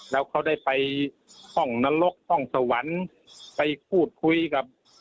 แล้วเขาได้ไปห้องนรกห้องสวรรค์ไปพูดคุยกับ